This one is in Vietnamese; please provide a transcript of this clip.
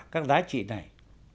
các giá trị này